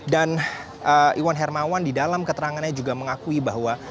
dan iwan hermawan di dalam keterangannya juga mengakui bahwa